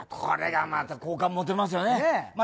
これがまた好感持てますよね。